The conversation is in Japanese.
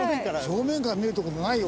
正面から見るって事ないよ